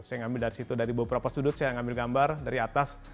saya ngambil dari situ dari beberapa sudut saya ngambil gambar dari atas